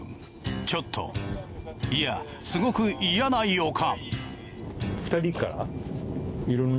ちょっといやすごく嫌な予感。